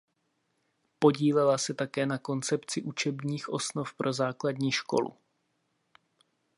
Podílela se také na koncepci učebních osnov pro základní školu.